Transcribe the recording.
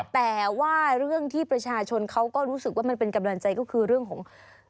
แต่ว่าเรื่องที่ประชาชนเขาก็รู้สึกว่ามันเป็นกำลังใจก็คือเรื่องของ